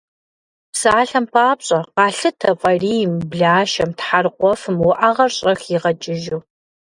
Псалъэм папщӏэ, къалъытэ фӏарийм, блашэм, тхьэрыкъуэфым уӏэгъэр щӏэх ягъэкӏыжу.